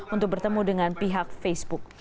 untuk bertemu dengan pihak facebook